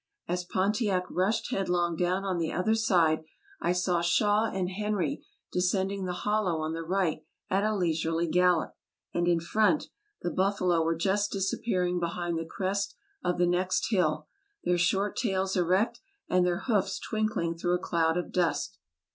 As Pon tiac rushed headlong down on the other side, I saw Shaw and Henry descending the hollow on the right at a leisurely gallop; and in front, the buffalo were just disappearing be hind the crest of the next hill, their short tails erect, and their hoofs twinkling through a cloud of dust.